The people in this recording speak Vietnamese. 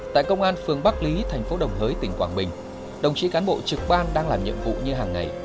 tại công an phường bắc lý thành phố đồng hới tỉnh quảng bình đồng chí cán bộ trực ban đang làm nhiệm vụ như hàng ngày